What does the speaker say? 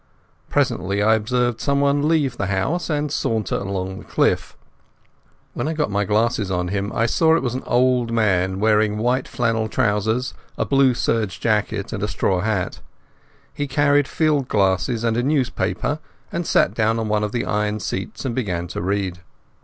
Presently I observed someone leave the house and saunter along the cliff. When I got my glasses on him I saw it was an old man, wearing white flannel trousers, a blue serge jacket, and a straw hat. He carried field glasses and a newspaper, and sat down on one of the iron seats and began to read.